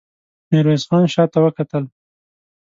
ميرويس خان شاته وکتل.